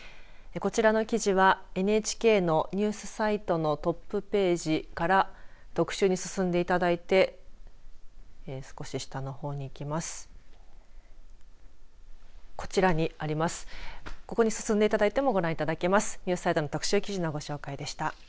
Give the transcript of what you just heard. こちらの記事はＮＨＫのニュースサイトのトップページから特集に進んでいただいて少し下の方にいきます。